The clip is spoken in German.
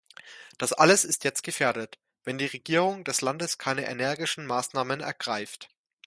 Das alles ist jetzt gefährdet, wenn die Regierung des Landes keine energischen Maßnahmen ergreift.